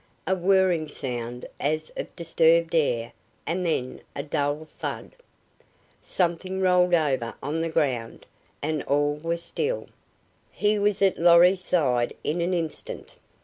A whirring sound as of disturbed air and then a dull thud. Something rolled over on the ground, and all was still. He was at Lorry's side in an instant.